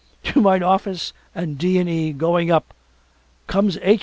To mine office and D. & E. going up comes H.